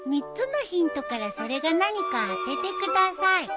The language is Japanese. ３つのヒントからそれが何か当ててください。